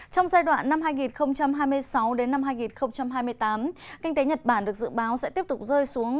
trong giai đoạn năm hai nghìn hai mươi sáu đến năm hai nghìn hai mươi tám kinh tế nhật bản được dự báo sẽ tiếp tục rơi xuống